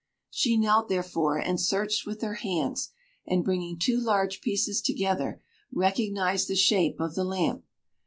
She knelt, therefore, and searched with her hands, and bringing two large pieces together, recognized the shape of the lamp.